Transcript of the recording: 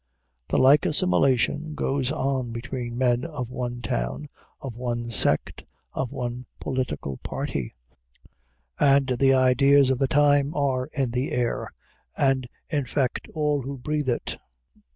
The like assimilation goes on between men of one town, of one sect, of one political party; and the ideas of the time are in the air, and infect all who breathe it.